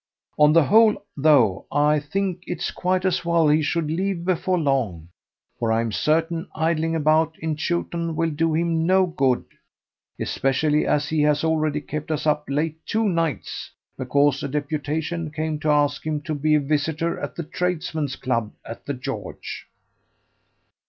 On the whole, though, I think it's quite as well he should leave before long, for I'm certain idling about in Chewton will do him no good, especially as he has already kept us up late two nights, because a deputation came to ask him to be a visitor at the tradesmen's club at the George."